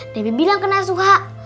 debby bilang ke nasuha